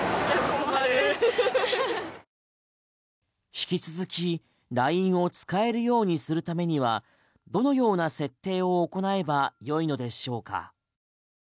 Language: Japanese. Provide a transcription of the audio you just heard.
引き続きＬＩＮＥを使えるようにするためにはどのような設定を行えばよいのでしょうか？